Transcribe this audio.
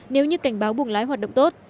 nếu như cảnh báo buồng lái hoạt động tốt